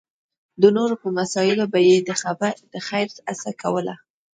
د نورو په مسایلو به یې د خېر هڅه کوله.